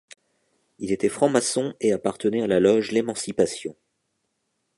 Il était franc-maçon et appartenait à la loge L'Émancipation.